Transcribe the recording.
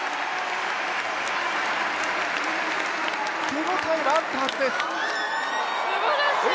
手応えはあったはずです。